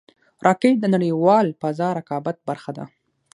راکټ د نړیوال فضا رقابت برخه ده